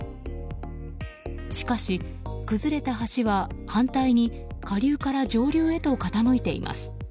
しかし、崩れた橋は反対に下流から上流へと傾いています。